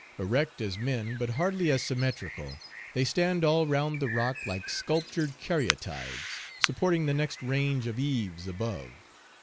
Erect as men, but hardly as symmetrical, they stand all round the rock like sculptured caryatides, supporting the next range of eaves above.